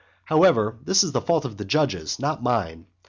However, this is the fault of the judges, not mine.